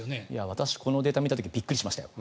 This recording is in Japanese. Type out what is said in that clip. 私、このデータを見た時びっくりしましたよ。